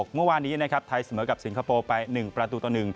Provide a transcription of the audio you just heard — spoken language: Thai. เมื่อวานนี้นะครับไทยเสมอกับสิงคโปร์ไป๑ประตูต่อ๑